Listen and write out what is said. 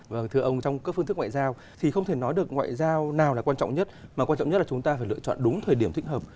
vâng thưa ông trong các phương thức ngoại giao thì không thể nói được ngoại giao nào là quan trọng nhất mà quan trọng nhất là chúng ta phải lựa chọn đúng thời điểm thích hợp